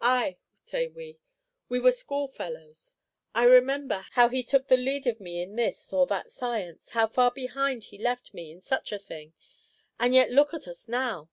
"Ay," say we, "we were schoolfellows; I remember how he took the lead of me in this or that science, how far behind he left me in such a thing; and yet look at us now!"